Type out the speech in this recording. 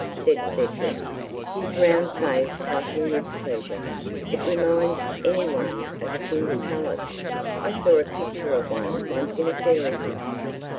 said Cedric, his round face flushing with pleasure. "It reminds any one of a king's palace. I saw a picture of one once in a fairy book."